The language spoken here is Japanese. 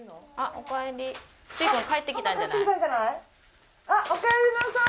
おかえりなさい。